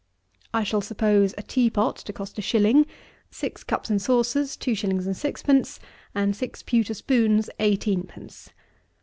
I shall suppose a tea pot to cost a shilling, six cups and saucers two shillings and sixpence, and six pewter spoons eighteen pence.